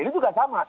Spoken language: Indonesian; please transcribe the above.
ini juga sama